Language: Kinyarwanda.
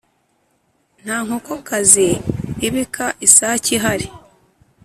Nta nkokokazi ibika isake ihari.